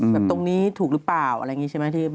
ตรงนี้ถูกหรือเปล่าอะไรอย่างนี้ใช่ไหมที่